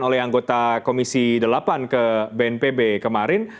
oleh anggota komisi delapan ke bnpb kemarin